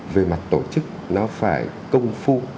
về mặt tổ chức nó phải công phu